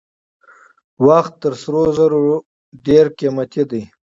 وخت تر سرو زرو ډېر قیمتي دی.